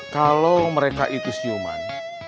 kalo mereka itu siuman